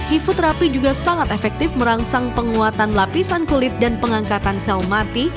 hipoterapi juga sangat efektif merangsang penguatan lapisan kulit dan pengangkatan sel mati